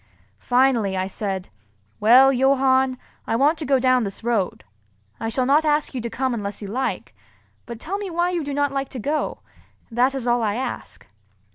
Finally I said, "Well, Johann, I want to go down this road. I shall not ask you to come unless you like; but tell me why you do not like to go, that is all I ask."